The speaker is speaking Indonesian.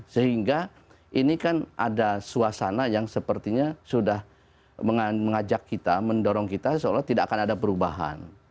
sehingga ini kan ada suasana yang sepertinya sudah mengajak kita mendorong kita seolah tidak akan ada perubahan